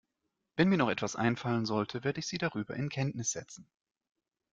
Wenn mir noch etwas einfallen sollte, werde ich Sie darüber in Kenntnis setzen.